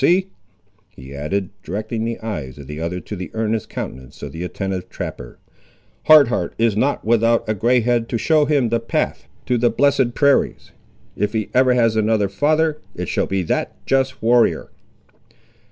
See," he added, directing the eyes of the other to the earnest countenance of the attentive trapper; "Hard Heart is not without a grey head to show him the path to the blessed prairies. If he ever has another father, it shall be that just warrior."